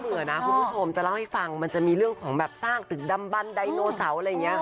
ถ้าเผื่อนะคุณผู้ชมจะเล่าให้ฟังมันจะมีเรื่องของแบบสร้างถึงดำบันดายโนสองอะไรเงี้ย